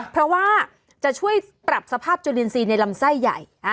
เพราะว่าจะช่วยปรับสภาพจุลินทรีย์ในลำไส้ใหญ่